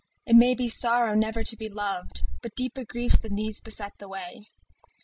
It may be sorrow never to be loved, But deeper griefs than these beset the way.